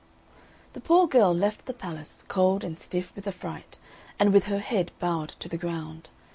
The poor girl left the palace, cold and stiff with affright, and with her head bowed to the ground.